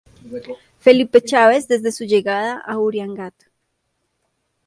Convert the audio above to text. Felipe Chávez desde su llegada a Uriangato.